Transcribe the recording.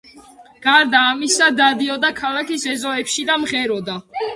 გარდა ამისა, დადიოდა ქალაქის ეზოებში და მღეროდა.